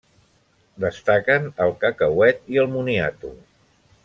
Destaquen el cacauet i el moniato.